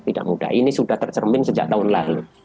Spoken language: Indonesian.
tidak mudah ini sudah tercermin sejak tahun lalu